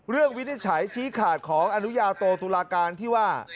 วินิจฉัยชี้ขาดของอนุญาโตตุลาการที่ว่า